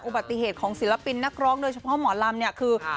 อุบัติเหตุของศิลปินนักร้องโดยเฉพาะหมอลำเนี่ยคือ